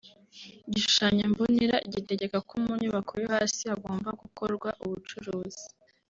Igishushanyo mbonera gitegeka ko mu nyubako yo hasi hagomba gukorwa ubucuruzi